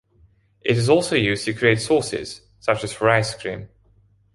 It is also used to create sauces, such as for ice cream.